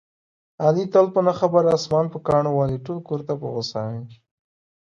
علي تل په نه خبره اسمان په کاڼو ولي، ټول کورته په غوسه وي.